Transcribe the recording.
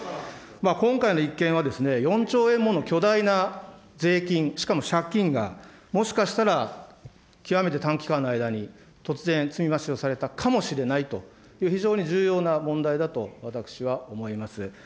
今回の一件は、４兆円もの巨大な税金、しかも借金が、もしかしたら、極めて短期間の間に突然、積み増しをされたかもしれないという、非常に重要な問題だと、私は思います。